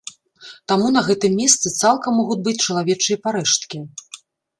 Таму на гэтым месцы цалкам могуць быць чалавечыя парэшткі.